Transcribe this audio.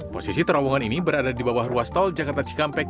posisi terowongan ini berada di bawah ruas tol jakarta cikampek